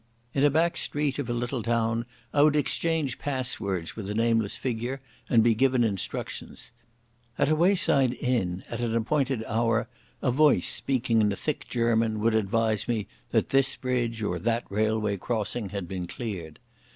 In a back street of a little town I would exchange passwords with a nameless figure and be given instructions. At a wayside inn at an appointed hour a voice speaking a thick German would advise that this bridge or that railway crossing had been cleared.